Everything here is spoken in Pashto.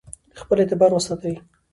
خپل اعتبار وساتئ.